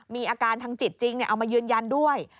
มีอาการทางจิตจริงเอามายืนยันด้วย